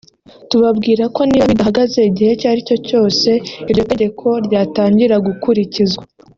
tubabwira ko niba bidahagaze igihe icyo ari cyo cyose iryo tegeko ryatangira gukurikizwa